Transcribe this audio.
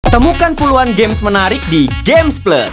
temukan puluhan games menarik di gamesplus